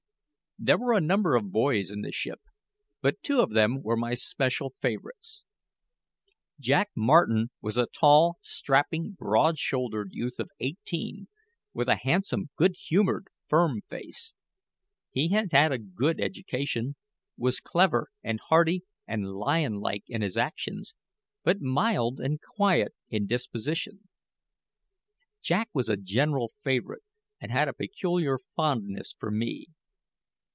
There were a number of boys in the ship, but two of them were my special favourites. Jack Martin was a tall, strapping, broad shouldered youth of eighteen, with a handsome, good humoured, firm face. He had had a good education, was clever and hearty and lion like in his actions, but mild and quiet in disposition. Jack was a general favourite, and had a peculiar fondness for me.